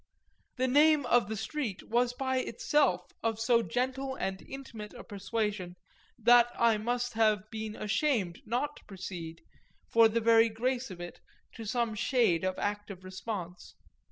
The name of the street was by itself of so gentle and intimate a persuasion that I must have been ashamed not to proceed, for the very grace of it, to some shade of active response.